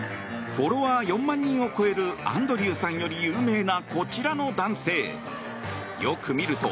フォロワー４万人を超えるアンドリューさんより有名なこちらの男性、よく見ると。